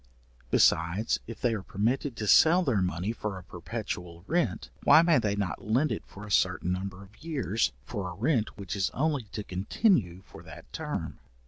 Besides, if they are permitted to sell their money for a perpetual rent, why may they not lend it for a certain number of years, for a rent which is only to continue for that term?